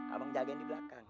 abang jagain di belakang